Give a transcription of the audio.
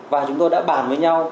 và chúng tôi đã bàn với nhau